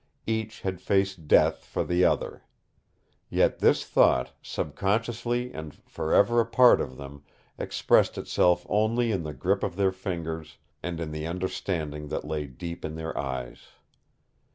Each had faced death for the other. Yet this thought, subconsciously and forever a part of them, expressed itself only in the grip of their fingers and in the understanding that lay deep in their eyes.